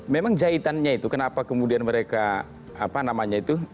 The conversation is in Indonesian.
memang jahitannya itu kenapa kemudian mereka apa namanya itu